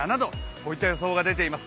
こういった予想が出ています。